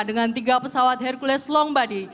dengan tiga pesawat hercules long body